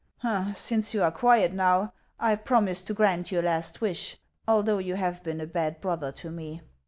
" Since you are quiet now, I promise to grant your last wish, although you have been a bad brother to me.